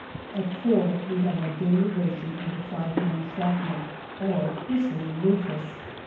At four we have our daily ration of the 5*9 shrapnel or " Whistling Rufus."